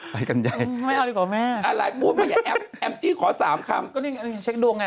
ไปกันใหญ่ไม่เอาดีกว่าแม่อะไรพูดมาอย่าแอปแอมจี้ขอสามคำก็นี่เช็คดวงไง